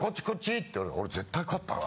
俺絶対勝ったな。